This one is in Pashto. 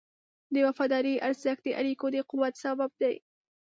د وفادارۍ ارزښت د اړیکو د قوت سبب دی.